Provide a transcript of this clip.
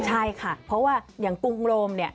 ใช่ค่ะเพราะว่าอย่างกรุงโรมเนี่ย